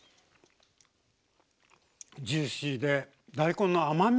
ジューシーで大根の甘み感じますね。